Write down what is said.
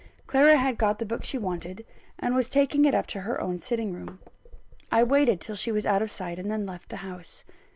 Clara had got the book she wanted, and was taking it up to her own sitting room. I waited till she was out of sight, and then left the house.